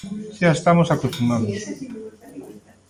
Xa estamos acostumados.